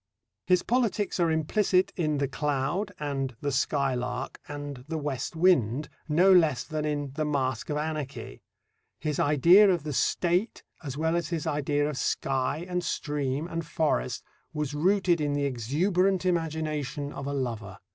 His politics are implicit in The Cloud and The Skylark and The West Wind, no less than in The Mask of Anarchy. His idea of the State as well as his idea of sky and stream and forest was rooted in the exuberant imagination of a lover.